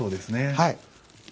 はい。